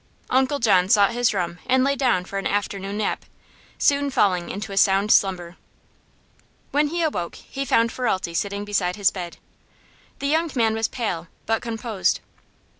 Uncle John sought his room and lay down for an afternoon nap, soon falling into a sound slumber. When he awoke he found Ferralti seated beside his bed. The young man was pale, but composed. "Mr.